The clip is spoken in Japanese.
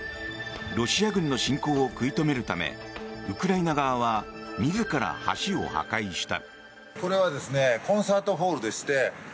ロシア軍の侵攻を食い止めるためウクライナ側は自ら橋を破壊した。